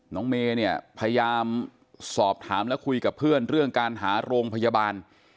เมย์เนี่ยพยายามสอบถามและคุยกับเพื่อนเรื่องการหาโรงพยาบาล